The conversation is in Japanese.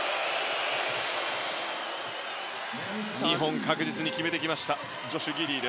２本、確実に決めてきましたジョシュ・ギディー。